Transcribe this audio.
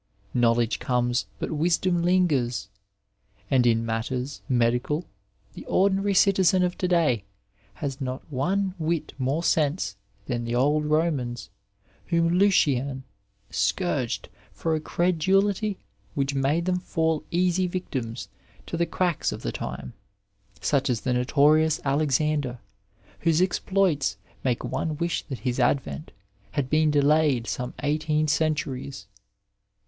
*' Knowledge comes, but wisdom lingers," and in matters medical the ordinary citizen of to day has not one whit more sense than the old Romans, whom Lucian scourged for a credulity which made them fall easy victims to the quacks of the time, such as the notorious Alexander, whose exploits make one wish that his advent had been delayed some eighteen centuries.